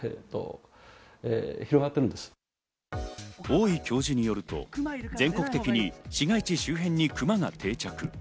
大井教授によると、全国的に市街地周辺にクマが定着。